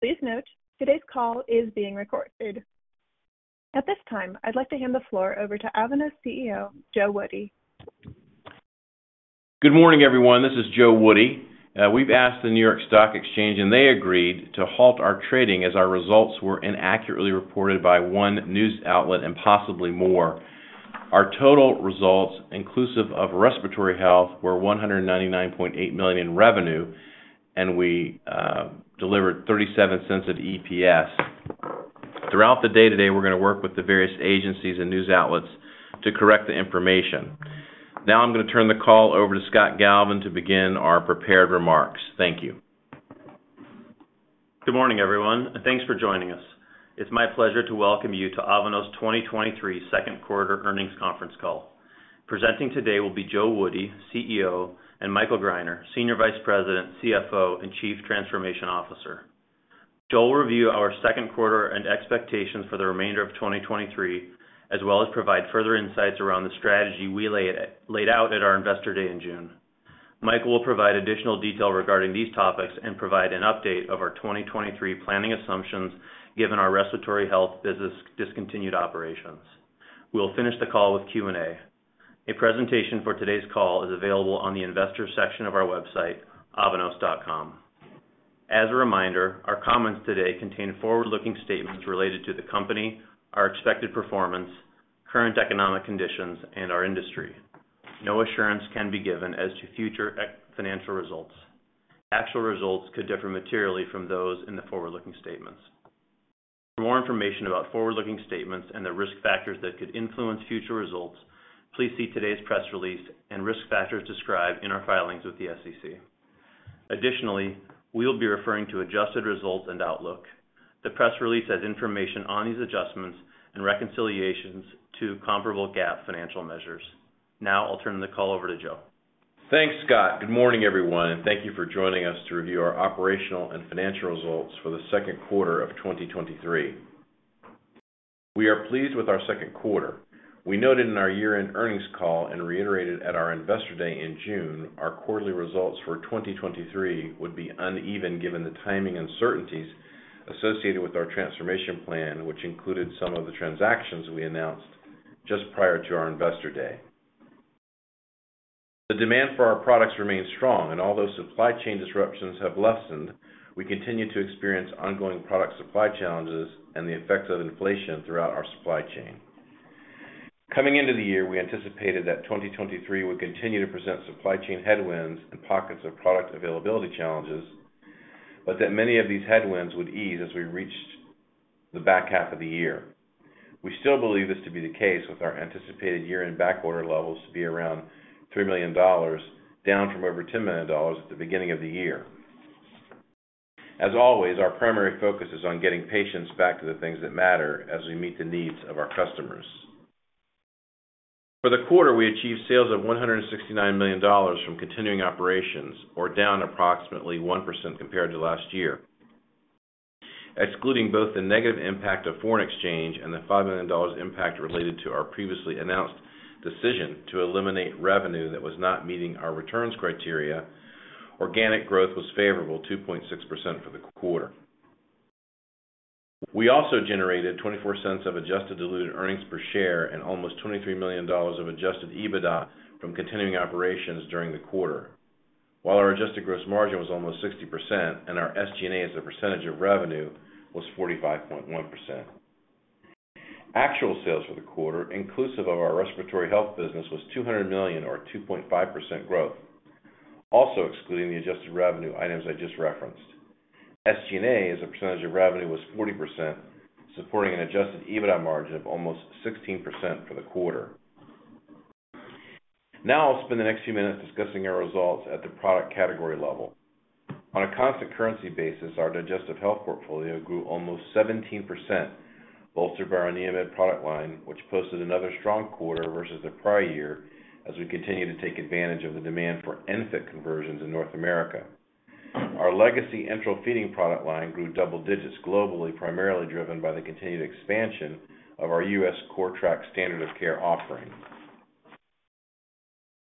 Please note, today's call is being recorded. At this time, I'd like to hand the floor over to Avanos CEO, Joe Woody. Good morning, everyone. This is Joe Woody. We've asked the New York Stock Exchange, they agreed to halt our trading as our results were inaccurately reported by one news outlet and possibly more. Our total results, inclusive of Respiratory Health, were $199.8 million in revenue, and we delivered $0.37 at EPS. Throughout the day today, we're gonna work with the various agencies and news outlets to correct the information. Now I'm going to turn the call over to Scott Galovan, to begin our prepared remarks. Thank you. Good morning, everyone, thanks for joining us. It's my pleasure to welcome you to Avanos's 2023 second quarter earnings conference call. Presenting today will be Joe Woody, CEO, and Michael Greiner, Senior Vice President, CFO, and Chief Transformation Officer. Joe will review our second quarter and expectations for the remainder of 2023, as well as provide further insights around the strategy we laid out at our Investor Day in June. Michael will provide additional detail regarding these topics and provide an update of our 2023 planning assumptions, given our Respiratory Health business discontinued operations. We will finish the call with Q&A. A presentation for today's call is available on the investor section of our website, avanos.com. As a reminder, our comments today contain forward-looking statements related to the company, our expected performance, current economic conditions, and our industry. No assurance can be given as to future financial results. Actual results could differ materially from those in the forward-looking statements. For more information about forward-looking statements and the risk factors that could influence future results, please see today's press release and risk factors described in our filings with the SEC. Additionally, we'll be referring to adjusted results and outlook. The press release has information on these adjustments and reconciliations to comparable GAAP financial measures. Now I'll turn the call over to Joe. Thanks, Scott. Good morning, everyone, and thank you for joining us to review our operational and financial results for the second quarter of 2023. We are pleased with our second quarter. We noted in our year-end earnings call and reiterated at our Investor Day in June, our quarterly results for 2023 would be uneven, given the timing uncertainties associated with our transformation plan, which included some of the transactions we announced just prior to our Investor Day. The demand for our products remains strong, and although supply chain disruptions have lessened, we continue to experience ongoing product supply challenges and the effects of inflation throughout our supply chain. Coming into the year, we anticipated that 2023 would continue to present supply chain headwinds and pockets of product availability challenges, but that many of these headwinds would ease as we reached the back half of the year. We still believe this to be the case with our anticipated year-end backorder levels to be around $3 million, down from over $10 million at the beginning of the year. As always, our primary focus is on getting patients back to the things that matter as we meet the needs of our customers. For the quarter, we achieved sales of $169 million from continuing operations or down approximately 1% compared to last year. Excluding both the negative impact of foreign exchange and the $5 million impact related to our previously announced decision to eliminate revenue that was not meeting our returns criteria, organic growth was favorable 2.6% for the quarter. We also generated $0.24 of adjusted diluted EPS and almost $23 million of adjusted EBITDA from continuing operations during the quarter. While our adjusted gross margin was almost 60% and our SG&A as a percentage of revenue was 45.1%. Actual sales for the quarter, inclusive of our Respiratory Health business, was $200 million or 2.5% growth, also excluding the adjusted revenue items I just referenced. SG&A, as a percentage of revenue, was 40%, supporting an adjusted EBITDA margin of almost 16% for the quarter. I'll spend the next few minutes discussing our results at the product category level. On a constant currency basis, our digestive health portfolio grew almost 17%, bolstered by our NEOMED product line, which posted another strong quarter versus the prior year, as we continue to take advantage of the demand for ENFit conversions in North America. Our legacy enteral feeding product line grew double digits globally, primarily driven by the continued expansion of our U.S. CORTRAK standard of care offerings.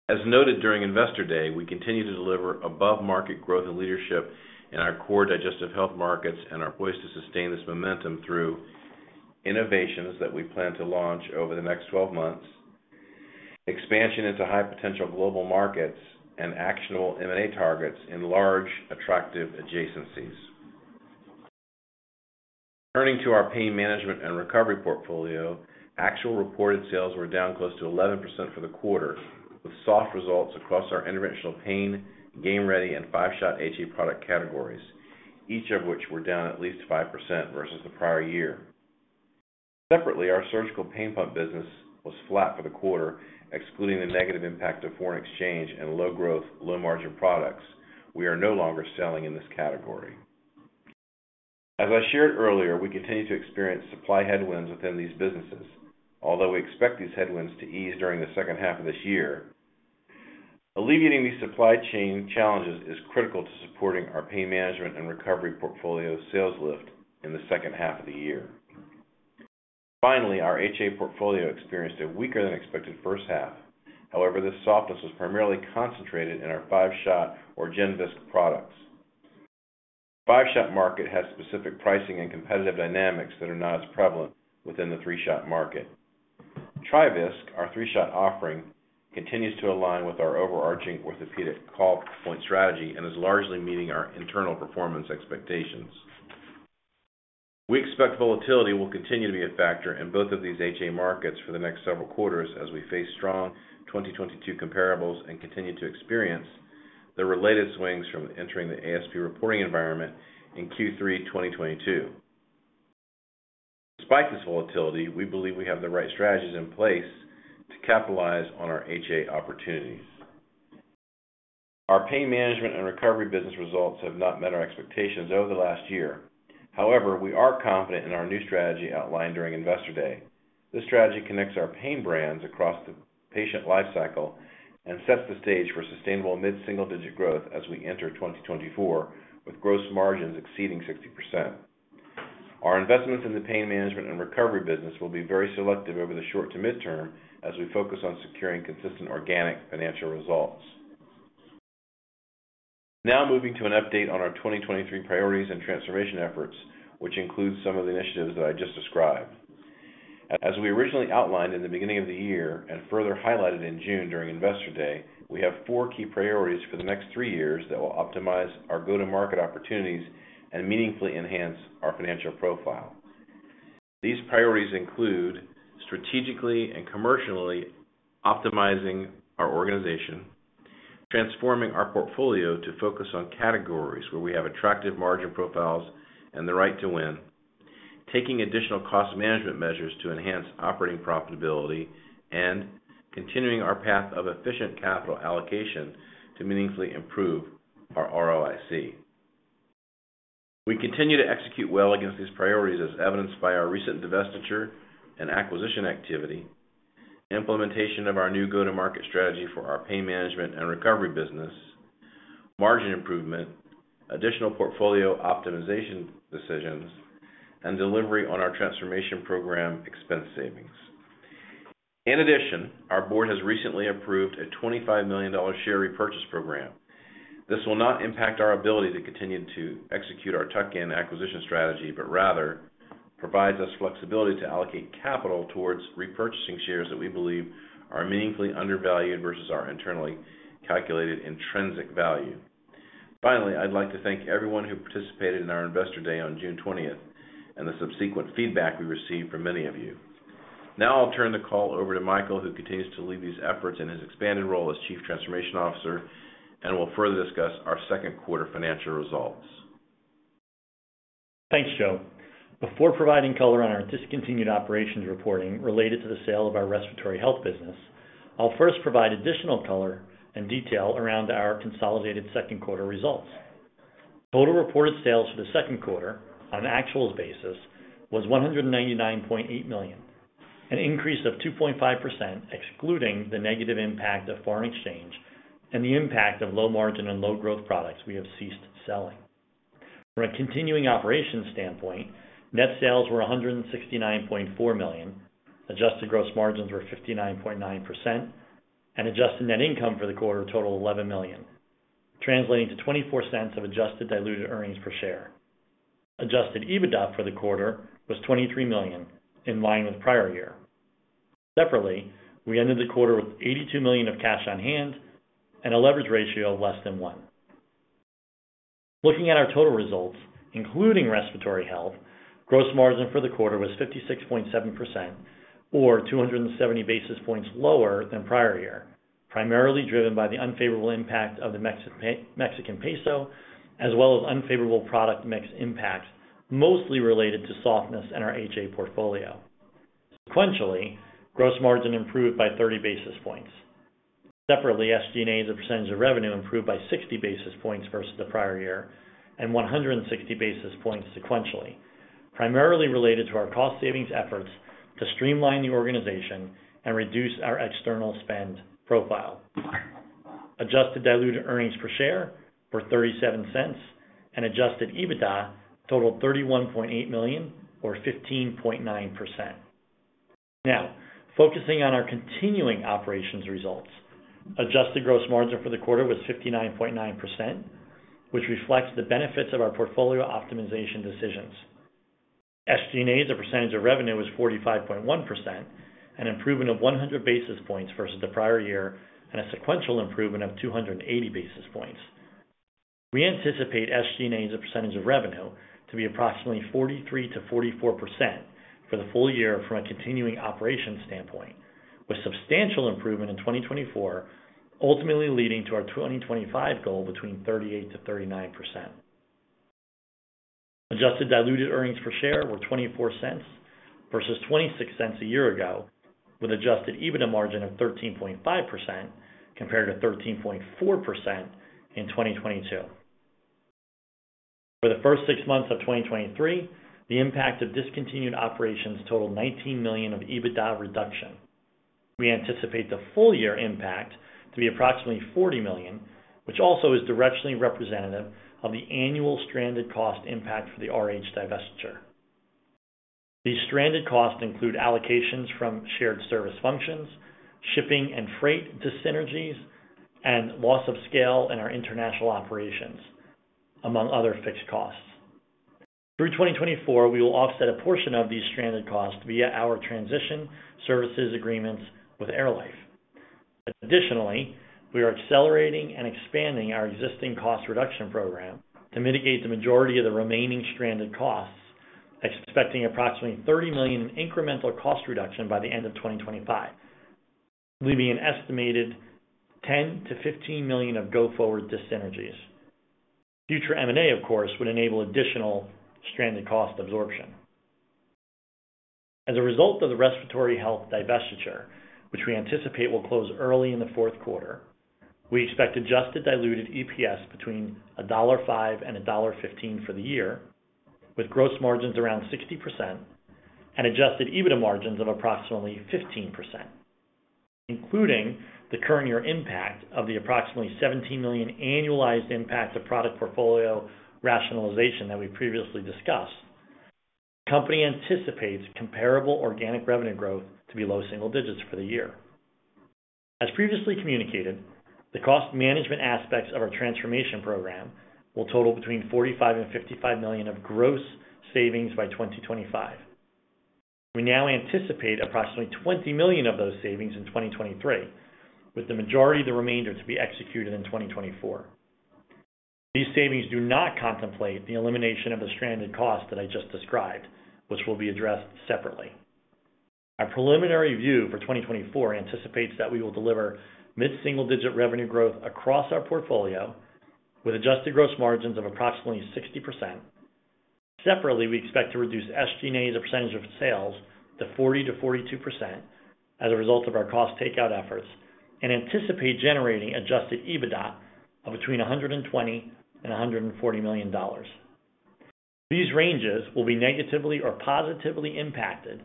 As noted during Investor Day, we continue to deliver above-market growth and leadership in our core digestive health markets and are poised to sustain this momentum through innovations that we plan to launch over the next 12 months, expansion into high-potential global markets, and actionable M&A targets in large, attractive adjacencies. Turning to our pain management and recovery portfolio, actual reported sales were down close to 11% for the quarter, with soft results across our Interventional Pain, Game Ready, and five-shot HA product categories, each of which were down at least 5% versus the prior year. Separately, our surgical pain pump business was flat for the quarter, excluding the negative impact of foreign exchange and low-growth, low-margin products. We are no longer selling in this category. As I shared earlier, we continue to experience supply headwinds within these businesses, although we expect these headwinds to ease during the second half of this year. Alleviating these supply chain challenges is critical to supporting our pain management and recovery portfolio sales lift in the second half of the year. Finally, our HA portfolio experienced a weaker than expected first half. However, this softness was primarily concentrated in our five-shot or GenVisc products. Five-shot market has specific pricing and competitive dynamics that are not as prevalent within the three-shot market. TriVisc, our three-shot offering, continues to align with our overarching orthopedic call point strategy and is largely meeting our internal performance expectations. We expect volatility will continue to be a factor in both of these HA markets for the next several quarters, as we face strong 2022 comparables and continue to experience the related swings from entering the ASP reporting environment in Q3 2022. Despite this volatility, we believe we have the right strategies in place to capitalize on our HA opportunities. Our pain management and recovery business results have not met our expectations over the last year. We are confident in our new strategy outlined during Investor Day. This strategy connects our pain brands across the patient lifecycle and sets the stage for sustainable mid-single digit growth as we enter 2024, with gross margins exceeding 60%. Our investments in the pain management and recovery business will be very selective over the short to midterm as we focus on securing consistent organic financial results. Now moving to an update on our 2023 priorities and transformation efforts, which includes some of the initiatives that I just described. As we originally outlined in the beginning of the year, and further highlighted in June during Investor Day, we have four key priorities for the next three years that will optimize our go-to-market opportunities and meaningfully enhance our financial profile. These priorities include: strategically and commercially optimizing our organization, transforming our portfolio to focus on categories where we have attractive margin profiles and the right to win, taking additional cost management measures to enhance operating profitability, and continuing our path of efficient capital allocation to meaningfully improve our ROIC. We continue to execute well against these priorities, as evidenced by our recent divestiture and acquisition activity, implementation of our new go-to-market strategy for our pain management and recovery business, margin improvement, additional portfolio optimization decisions, and delivery on our transformation program expense savings. Our board has recently approved a $25 million share repurchase program. This will not impact our ability to continue to execute our tuck-in acquisition strategy, but rather provides us flexibility to allocate capital towards repurchasing shares that we believe are meaningfully undervalued versus our internally calculated intrinsic value. I'd like to thank everyone who participated in our Investor Day on June 20th, and the subsequent feedback we received from many of you. Now I'll turn the call over to Michael, who continues to lead these efforts in his expanded role as Chief Transformation Officer, and will further discuss our second quarter financial results. Thanks, Joe. Before providing color on our discontinued operations reporting related to the sale of our Respiratory Health business, I'll first provide additional color and detail around our consolidated second quarter results. Total reported sales for the second quarter on an actuals basis was $199.8 million, an increase of 2.5%, excluding the negative impact of foreign exchange and the impact of low margin and low growth products we have ceased selling. From a continuing operations standpoint, net sales were $169.4 million, adjusted gross margins were 59.9%, and adjusted net income for the quarter totaled $11 million, translating to $0.24 of adjusted diluted earnings per share. Adjusted EBITDA for the quarter was $23 million, in line with prior year. Separately, we ended the quarter with 82 million of cash on hand and a leverage ratio of less than one. Looking at our total results, including Respiratory Health, gross margin for the quarter was 56.7%, or 270 basis points lower than prior year, primarily driven by the unfavorable impact of the Mexican peso, as well as unfavorable product mix impact, mostly related to softness in our HA portfolio. Sequentially, gross margin improved by 30 basis points. Separately, SG&A, as a percentage of revenue, improved by 60 basis points versus the prior year and 160 basis points sequentially, primarily related to our cost savings efforts to streamline the organization and reduce our external spend profile. Adjusted diluted earnings per share were $0.37 and adjusted EBITDA totaled $31.8 million, or 15.9%. Now, focusing on our continuing operations results. Adjusted gross margin for the quarter was 59.9%, which reflects the benefits of our portfolio optimization decisions. SG&A, as a percentage of revenue, was 45.1%, an improvement of 100 basis points versus the prior year, and a sequential improvement of 280 basis points. We anticipate SG&A, as a percentage of revenue, to be approximately 43%-44% for the full year from a continuing operations standpoint, with substantial improvement in 2024, ultimately leading to our 2025 goal between 38%-39%. Adjusted diluted earnings per share were $0.24 versus $0.26 a year ago, with adjusted EBITDA margin of 13.5%, compared to 13.4% in 2022. For the first six months of 2023, the impact of discontinued operations totaled $19 million of EBITDA reduction. We anticipate the full year impact to be approximately $40 million, which also is directionally representative of the annual stranded cost impact for the RH divestiture. These stranded costs include allocations from shared service functions, shipping and freight dyssynergies, and loss of scale in our international operations, among other fixed costs. Through 2024, we will offset a portion of these stranded costs via our transition services agreements with AirLife. We are accelerating and expanding our existing cost reduction program to mitigate the majority of the remaining stranded costs, expecting approximately $30 million in incremental cost reduction by the end of 2025, leaving an estimated $10 million-$15 million of go-forward dyssynergies. Future M&A, of course, would enable additional stranded cost absorption. As a result of the Respiratory Health divestiture, which we anticipate will close early in the fourth quarter, we expect adjusted diluted EPS between $1.05 and $1.15 for the year, with gross margins around 60% and adjusted EBITDA margins of approximately 15%, including the current year impact of the approximately $17 million annualized impact of product portfolio rationalization that we previously discussed. The company anticipates comparable organic revenue growth to be low single digits for the year. As previously communicated, the cost management aspects of our transformation program will total between $45 million and $55 million of gross savings by 2025. We now anticipate approximately $20 million of those savings in 2023, with the majority of the remainder to be executed in 2024. These savings do not contemplate the elimination of the stranded costs that I just described, which will be addressed separately. Our preliminary view for 2024 anticipates that we will deliver mid-single-digit revenue growth across our portfolio, with adjusted gross margins of approximately 60%. Separately, we expect to reduce SG&A as a percentage of sales to 40%-42% as a result of our cost takeout efforts and anticipate generating adjusted EBITDA of between $120 million and $140 million. These ranges will be negatively or positively impacted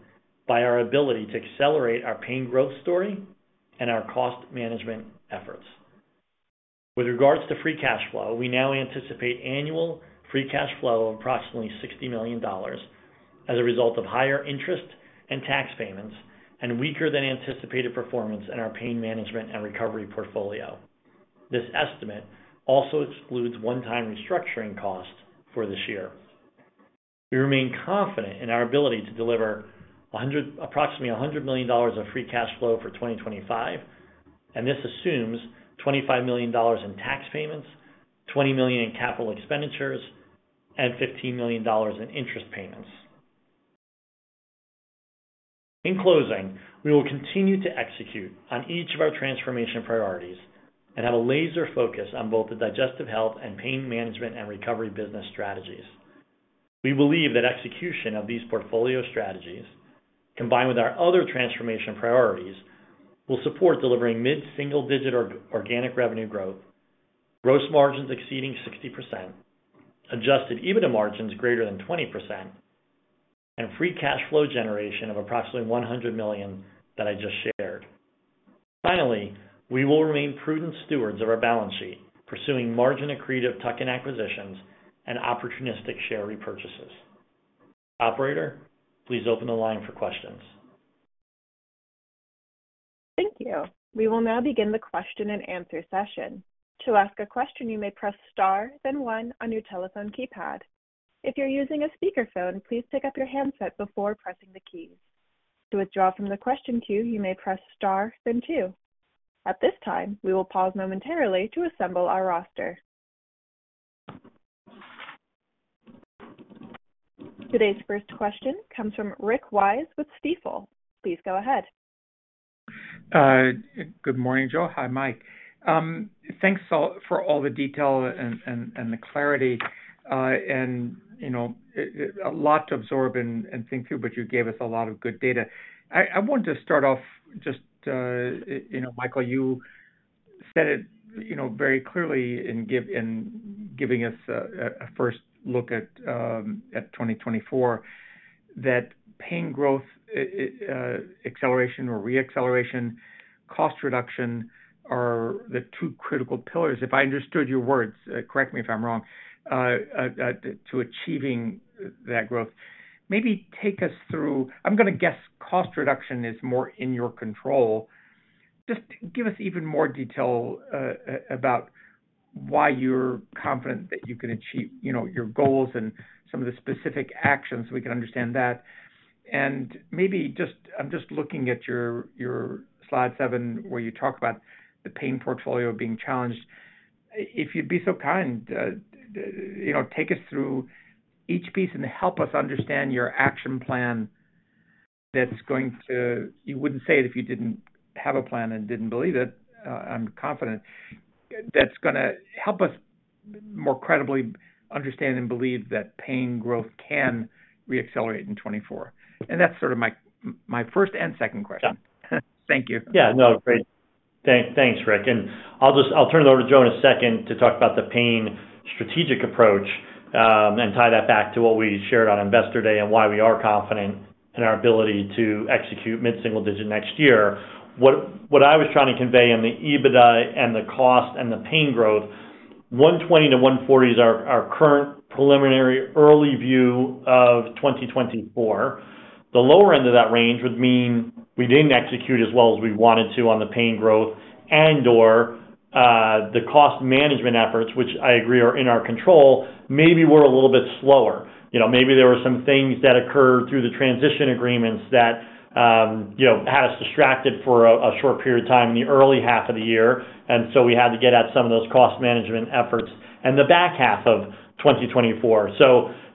by our ability to accelerate our pain growth story and our cost management efforts. With regards to free cash flow, we now anticipate annual free cash flow of approximately $60 million as a result of higher interest and tax payments and weaker than anticipated performance in our pain management and recovery portfolio. This estimate also excludes one-time restructuring costs for this year. We remain confident in our ability to deliver approximately $100 million of free cash flow for 2025. This assumes $25 million in tax payments, $20 million in capital expenditures, and $15 million in interest payments. In closing, we will continue to execute on each of our transformation priorities and have a laser focus on both the digestive health and pain management and recovery business strategies. We believe that execution of these portfolio strategies, combined with our other transformation priorities, will support delivering mid-single-digit organic revenue growth, gross margins exceeding 60%, adjusted EBITDA margins greater than 20%, and free cash flow generation of approximately $100 million that I just shared. Finally, we will remain prudent stewards of our balance sheet, pursuing margin-accretive tuck-in acquisitions and opportunistic share repurchases. Operator, please open the line for questions. Thank you. We will now begin the question-and-answer session. To ask a question, you may press star, then one on your telephone keypad. If you're using a speakerphone, please pick up your handset before pressing the keys. To withdraw from the question queue, you may press star, then two. At this time, we will pause momentarily to assemble our roster. Today's first question comes from Rick Wise with Stifel. Please go ahead. Good morning, Joe Woody. Hi, Michael Greiner. Thanks for, for all the detail and, and, and the clarity. You know, a, a lot to absorb and, and think through, but you gave us a lot of good data. I, I want to start off just, you know, Michael Greiner, you said it, you know, very clearly in give-- in giving us a, a first look at 2024, that pain growth acceleration or re-acceleration, cost reduction are the two critical pillars, if I understood your words, correct me if I'm wrong, to achieving that growth. Maybe take us through. I'm gonna guess cost reduction is more in your control. Just give us even more detail about why you're confident that you can achieve, you know, your goals and some of the specific actions, so we can understand that. Maybe just-- I'm just looking at your, your slide seven, where you talk about the pain portfolio being challenged. If you'd be so kind, you know, take us through each piece and help us understand your action plan that's going to-- You wouldn't say it if you didn't have a plan and didn't believe it, I'm confident, that's gonna help us more credibly understand and believe that pain growth can re-accelerate in 2024. That's sort of my, my first and second question. Thank you. Yeah. No, great. Thanks, Rick. I'll just turn it over to Joe in a second to talk about the pain strategic approach and tie that back to what we shared on Investor Day and why we are confident in our ability to execute mid-single digit next year. What I was trying to convey in the EBITDA and the cost and the pain growth, 120-140 is our current preliminary early view of 2024. The lower end of that range would mean we didn't execute as well as we wanted to on the pain growth and/or the cost management efforts, which I agree are in our control, maybe were a little bit slower. You know, maybe there were some things that occurred through the transition agreements that, you know, had us distracted for a, a short period of time in the early half of the year, and so we had to get at some of those cost management efforts in the back half of 2024.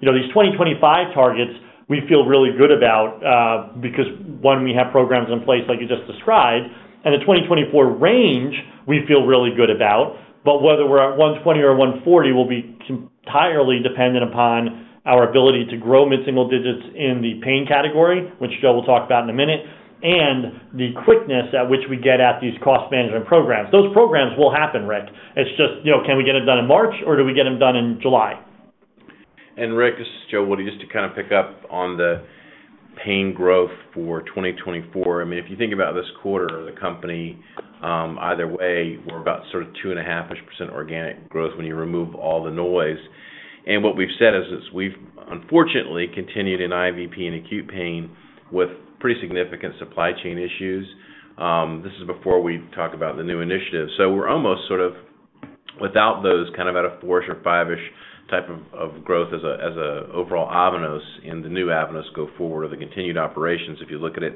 You know, these 2025 targets, we feel really good about, because, one, we have programs in place like you just described, and the 2024 range, we feel really good about. Whether we're at 120 or 140 will be entirely dependent upon our ability to grow mid-single digits in the pain category, which Joe will talk about in a minute, and the quickness at which we get at these cost management programs. Those programs will happen, Rick. It's just, you know, can we get them done in March or do we get them done in July? Rick, this is Joe Woody. Just to kind of pick up on the pain growth for 2024. I mean, if you think about this quarter, the company, either way, we're about sort of 2.5%-ish organic growth when you remove all the noise. What we've said is, is we've unfortunately continued in IVP and acute pain with pretty significant supply chain issues. This is before we talk about the new initiative. We're almost sort of, without those, kind of at a four-ish or five-ish type of, of growth as a, as a overall Avanos, in the new Avanos go forward or the continued operations, if you look at it,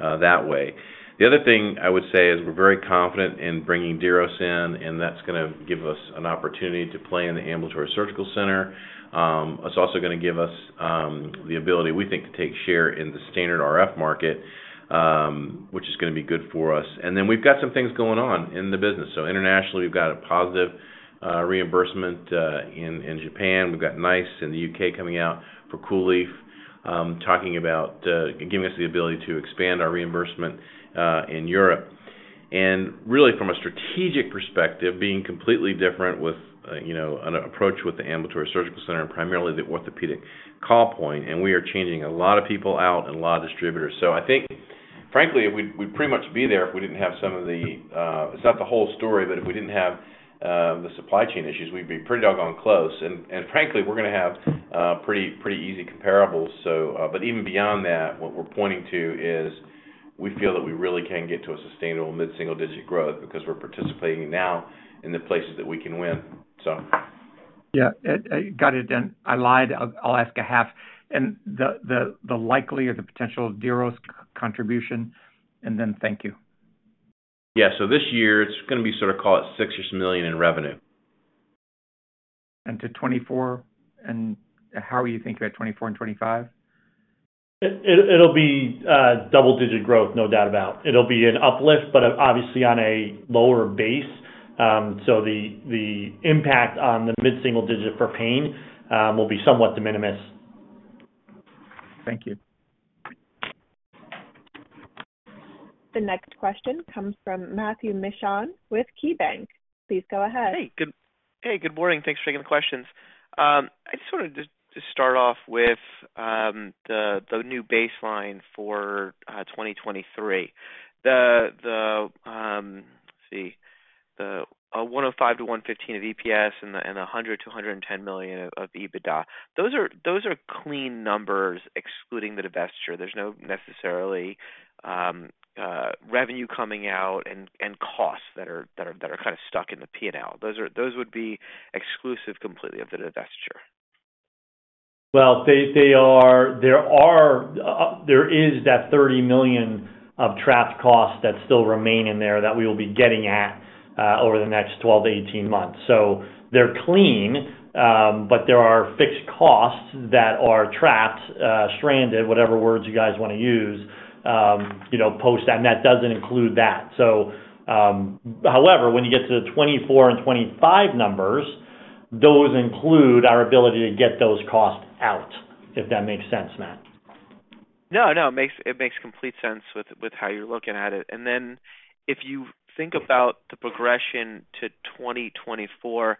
that way. The other thing I would say is we're very confident in bringing Diros in, and that's gonna give us an opportunity to play in the ambulatory surgical center. It's also gonna give us the ability, we think, to take share in the standard RF market, which is gonna be good for us. We've got some things going on in the business. Internationally, we've got a positive reimbursement in Japan. We've got NICE in the U.K. coming out for COOLIEF, talking about giving us the ability to expand our reimbursement in Europe. Really, from a strategic perspective, being completely different with, you know, an approach with the ambulatory surgical center and primarily the orthopedic call point, and we are changing a lot of people out and a lot of distributors. I think, frankly, we'd, we'd pretty much be there if we didn't have some of the... It's not the whole story, but if we didn't have the supply chain issues, we'd be pretty doggone close. Frankly, we're gonna have pretty, pretty easy comparables. But even beyond that, what we're pointing to is we feel that we really can get to a sustainable mid-single-digit growth because we're participating now in the places that we can win. Yeah, got it. I lied, I'll, I'll ask a half. The, the, the likely or the potential of Diros contribution, and then thank you. Yeah. This year it's gonna be sort of, call it $6-ish million in revenue. To 2024, and how are you thinking about 2024 and 2025? It'll be double digit growth, no doubt about. It'll be an uplift, but obviously on a lower base. So the impact on the mid-single digit for pain will be somewhat de minimis. Thank you. The next question comes from Matthew Mishan with KeyBanc. Please go ahead. Hey, good-- hey, good morning. Thanks for taking the questions. I just wanted to, to start off with the new baseline for 2023. The $1.05-$1.15 of EPS and $100 million-$110 million of EBITDA. Those are, those are clean numbers, excluding the divestiture. There's no necessarily revenue coming out and, and costs that are, that are, that are kind of stuck in the P&L. Those are- those would be exclusive completely of the divestiture? Well, they, they are there are, there is that $30 million of trapped costs that still remain in there that we will be getting at, over the next 12 to 18 months. They're clean, but there are fixed costs that are trapped, stranded, whatever words you guys want to use, you know, post, and that doesn't include that. However, when you get to the 2024 and 2025 numbers, those include our ability to get those costs out, if that makes sense, Matt. No, no, it makes, it makes complete sense with, with how you're looking at it. And then if you think about the progression to 2024,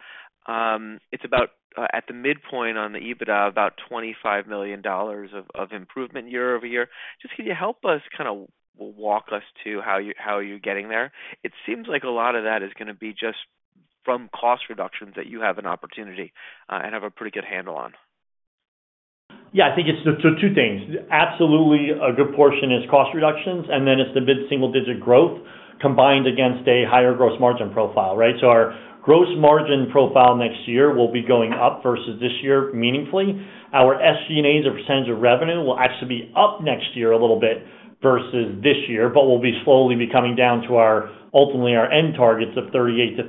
it's about at the midpoint on the EBITDA, about $25 million of improvement year-over-year. Just can you help us, kind of, walk us to how you, how you're getting there? It seems like a lot of that is gonna be just from cost reductions that you have an opportunity and have a pretty good handle on. Yeah, I think it's the two things. Absolutely, a good portion is cost reductions, and then it's the mid-single-digit growth combined against a higher gross margin profile, right? Our gross margin profile next year will be going up versus this year meaningfully. Our SG&A or percentage of revenue will actually be up next year a little bit versus this year, but will be slowly be coming down to our, ultimately, our end targets of 38-39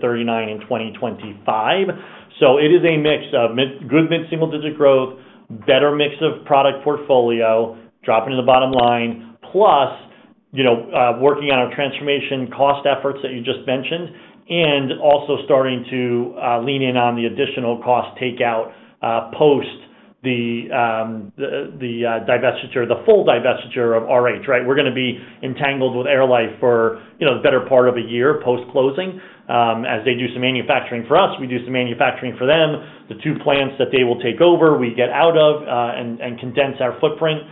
in 2025. It is a mix of good mid-single-digit growth, better mix of product portfolio, dropping to the bottom line, plus, you know, working on our transformation cost efforts that you just mentioned, and also starting to lean in on the additional cost takeout post-... the, the, the divestiture, the full divestiture of RH, right? We're gonna be entangled with AirLife for, you know, the better part of a year post-closing. As they do some manufacturing for us, we do some manufacturing for them. The two plants that they will take over, we get out of, and, and condense our footprint,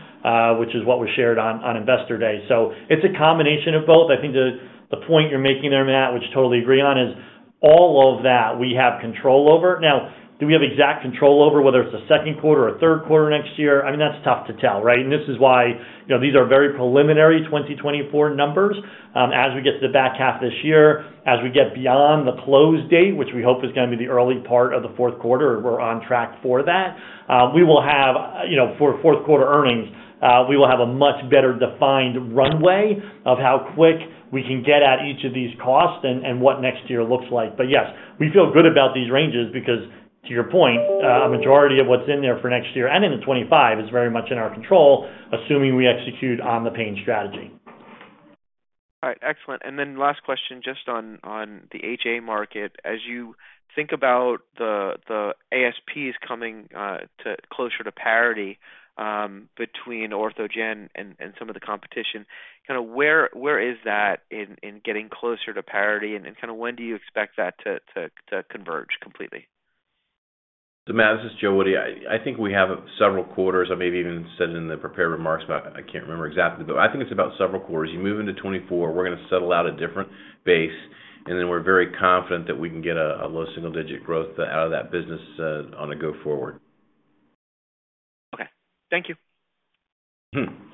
which is what was shared on, on Investor Day. It's a combination of both. I think the, the point you're making there, Matt, which I totally agree on, is all of that we have control over. Now, do we have exact control over whether it's the second quarter or third quarter next year? I mean, that's tough to tell, right? This is why, you know, these are very preliminary 2024 numbers. As we get to the back half this year, as we get beyond the close date, which we hope is gonna be the early part of the fourth quarter, we're on track for that, we will have, you know, for fourth quarter earnings, we will have a much better defined runway of how quick we can get at each of these costs and what next year looks like. Yes, we feel good about these ranges because, to your point, majority of what's in there for next year and into 2025 is very much in our control, assuming we execute on the pain strategy. All right, excellent. Then last question, just on, on the HA market. As you think about the, the ASPs coming to closer to parity, between OrthogenRx and, and some of the competition, kind of where, where is that in, in getting closer to parity, and then kind of when do you expect that to, to, to converge completely? Matt, this is Joe Woody. I, I think we have several quarters. I maybe even said it in the prepared remarks, but I can't remember exactly, but I think it's about several quarters. You move into 2024, we're gonna settle out a different base, and then we're very confident that we can get a, a low single-digit growth out of that business on a go forward. Okay. Thank you. Mm-hmm.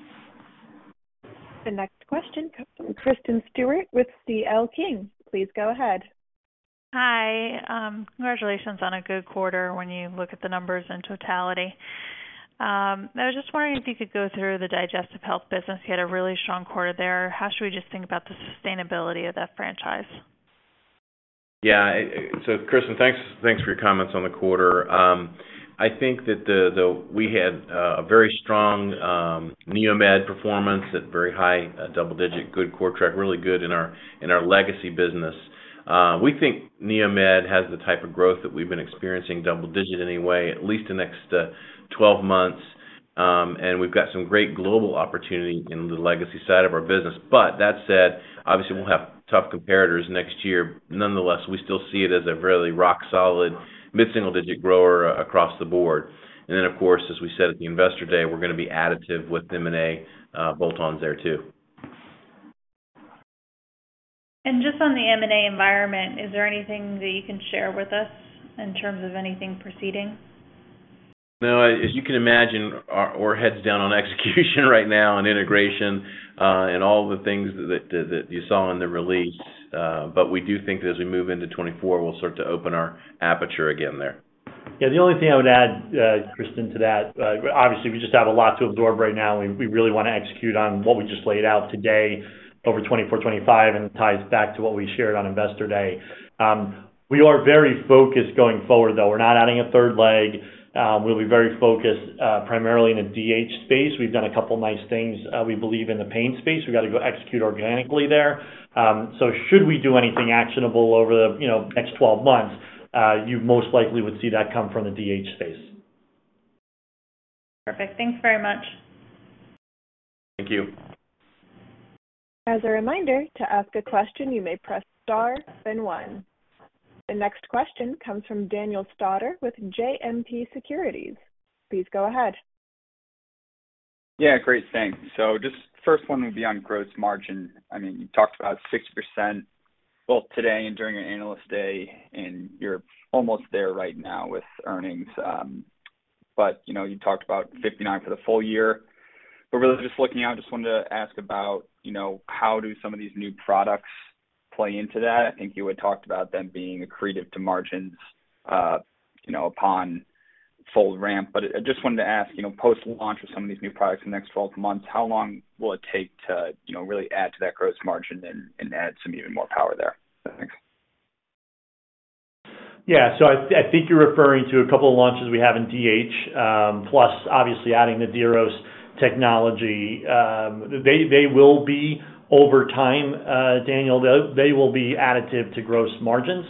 The next question comes from Kristen Stewart with CL King. Please go ahead. Hi, congratulations on a good quarter when you look at the numbers in totality. I was just wondering if you could go through the digestive health business. You had a really strong quarter there. How should we just think about the sustainability of that franchise? Kristen, thanks, thanks for your comments on the quarter. I think that we had a very strong NEOMED performance at very high double digit, good CORTRAK, really good in our legacy business. We think NEOMED has the type of growth that we've been experiencing, double digit anyway, at least the next 12 months. We've got some great global opportunity in the legacy side of our business. That said, obviously, we'll have tough comparators next year. Nonetheless, we still see it as a really rock solid, mid-single digit grower across the board. Of course, as we said at the Investor Day, we're gonna be additive with M&A bolt-ons there, too. Just on the M&A environment, is there anything that you can share with us in terms of anything proceeding? No, as you can imagine, our, we're heads down on execution right now and integration, and all the things that, that, that you saw in the release. We do think that as we move into 2024, we'll start to open our aperture again there. Yeah, the only thing I would add, Kristen, to that, obviously, we just have a lot to absorb right now, and we, we really wanna execute on what we just laid out today over 2024, 2025, and ties back to what we shared on Investor Day. We are very focused going forward, though. We're not adding a third leg. We'll be very focused, primarily in the DH space. We've done a couple of nice things, we believe in the pain space. We've got to go execute organically there. Should we do anything actionable over the, you know, next 12 months, you most likely would see that come from the DH space. Perfect. Thanks very much. Thank you. As a reminder, to ask a question, you may press star, then 1. The next question comes from Daniel Stauder with JMP Securities. Please go ahead. Yeah, great. Thanks. Just first one would be on gross margin. I mean, you talked about 60%, both today and during your Investor Day, and you're almost there right now with earnings. You know, you talked about 59% for the full year. Really just looking out, just wanted to ask about, you know, how do some of these new products play into that? I think you had talked about them being accretive to margins, you know, upon full ramp. I just wanted to ask, you know, post-launch of some of these new products in the next 12 months, how long will it take to, you know, really add to that gross margin and, and add some even more power there? Thanks. Yeah. I, I think you're referring to a couple of launches we have in DH, plus, obviously, adding the Diros Technology. They, they will be, over time, Daniel, they, they will be additive to gross margins,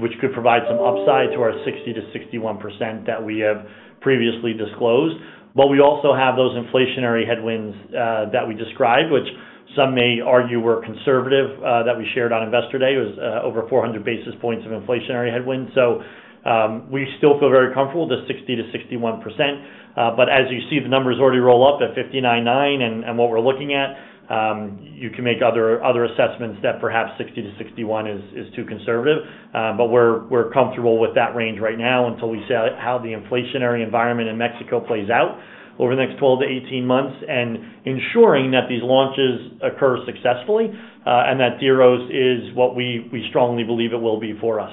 which could provide some upside to our 60%-61% that we have previously disclosed. We also have those inflationary headwinds that we described, which some may argue were conservative, that we shared on Investor Day. It was over 400 basis points of inflationary headwinds. We still feel very comfortable with the 60%-61%. As you see, the numbers already roll up at 59.9. What we're looking at, you can make other, other assessments that perhaps 60%-61% is, is too conservative. We're, we're comfortable with that range right now until we see how the inflationary environment in Mexico plays out over the next 12 to 18 months, and ensuring that these launches occur successfully, and that Diros is what we, we strongly believe it will be for us.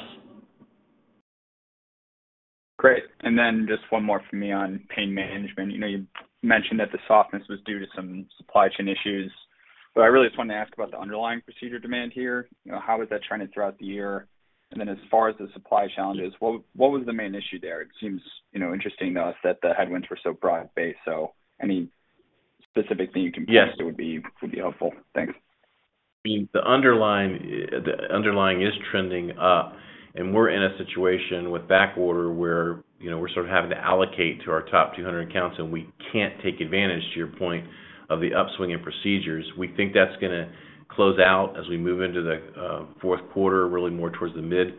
Great. Then just one more for me on pain management. You know, you mentioned that the softness was due to some supply chain issues, but I really just wanted to ask about the underlying procedure demand here. You know, how is that trending throughout the year? Then as far as the supply challenges, what was the main issue there? It seems, you know, interesting to us that the headwinds were so broad-based, so any specific thing you can-? Yes. post would be, would be helpful. Thanks. I mean, the underlying, the underlying is trending up, and we're in a situation with backorder where, you know, we're sort of having to allocate to our top 200 accounts, and we can't take advantage, to your point, of the upswing in procedures. We think that's gonna close out as we move into the fourth quarter, really more towards the mid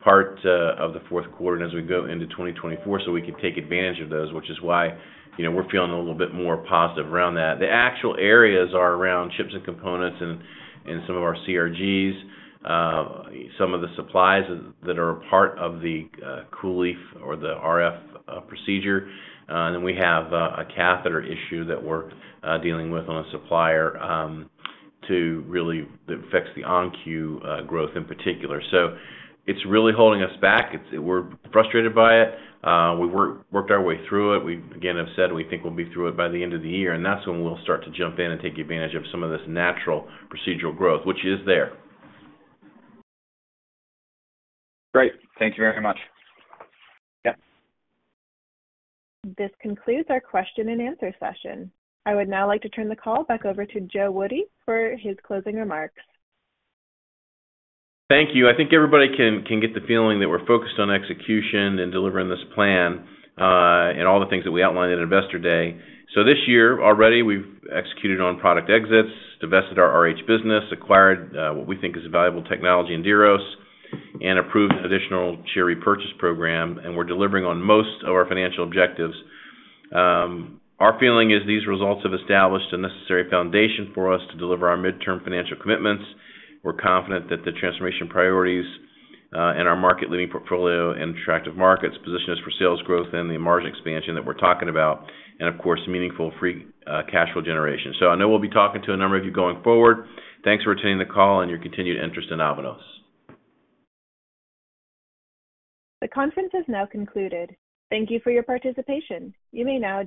part of the fourth quarter and as we go into 2024, so we can take advantage of those, which is why, you know, we're feeling a little bit more positive around that. The actual areas are around chips and components and some of our CRGs, some of the supplies that, that are a part of the COOLIEF or the RF procedure. Then we have a catheter issue that we're dealing with on a supplier, that affects the ON-Q growth in particular. It's really holding us back. We're frustrated by it. We work, worked our way through it. We, again, have said we think we'll be through it by the end of the year, and that's when we'll start to jump in and take advantage of some of this natural procedural growth, which is there. Great. Thank you very much. Yeah. This concludes our question and answer session. I would now like to turn the call back over to Joe Woody for his closing remarks. Thank you. I think everybody can, can get the feeling that we're focused on execution and delivering this plan, and all the things that we outlined at Investor Day. This year, already, we've executed on product exits, divested our RH business, acquired, what we think is a valuable technology in Diros, and approved an additional share repurchase program, and we're delivering on most of our financial objectives. Our feeling is these results have established a necessary foundation for us to deliver our midterm financial commitments. We're confident that the transformation priorities, and our market-leading portfolio and attractive markets position us for sales growth and the margin expansion that we're talking about, and of course, meaningful free cash flow generation. I know we'll be talking to a number of you going forward. Thanks for attending the call and your continued interest in Avanos. The conference is now concluded. Thank you for your participation. You may now disconnect.